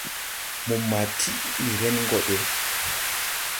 Mo ma tiʼ ndi ren go de!